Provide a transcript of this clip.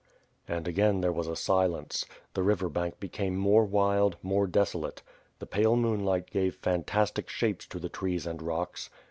And again, there was a silence. The river bank became more wild, more desolate. The pale moonlight gave fantas tic shapes to the trees and rocks.